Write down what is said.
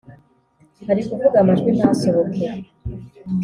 arikuvuga amajwi ntasohoke